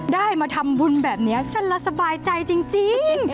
ได้มาทำบุญแบบนี้ฉันละสบายใจจริง